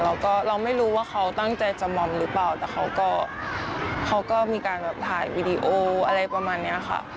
แล้วก็เราไม่รู้ว่าเขาตั้งใจจะมอมหรือเปล่าแต่เขาก็เขาก็มีการแบบถ่ายวีดีโออะไรประมาณนี้ค่ะ